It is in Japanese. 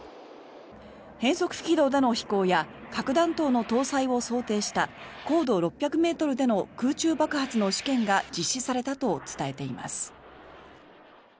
変則軌道での飛行や核弾頭の搭載を想定した高度６００ｍでの空中爆発の試験が実施されたと伝えています。